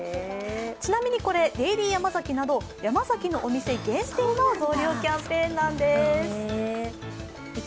ちなみに、これ、デイリーヤマザキなどヤマザキのお店限定の増量キャンペーンなんです。